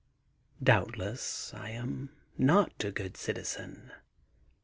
Doubtless I am not a good citizen.